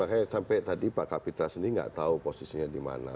makanya sampai tadi pak kapitra sendiri nggak tahu posisinya di mana